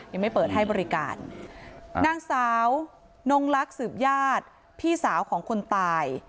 ยังไม่เปิดให้บริการนางสาวนงลักษณ์สืบญาติพี่สาวของคนตาย